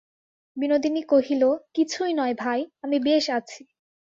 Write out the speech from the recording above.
বিনোদিনী কহিল, কিছুই নয় ভাই, আমি বেশ আছি।